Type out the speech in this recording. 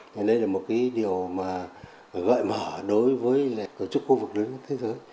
nên đây là một cái điều mà gợi mở đối với tổ chức khu vực đối với thế giới